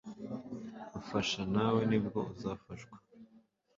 Fasha nawe nibwo uzafashwa